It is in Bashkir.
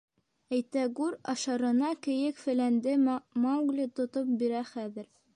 Әйтәгүр, ашарына кейек-фәләнде Маугли тотоп бирә хәҙер.